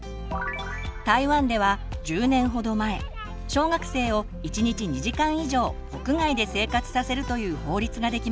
台湾では１０年ほど前小学生を１日２時間以上屋外で生活させるという法律ができました。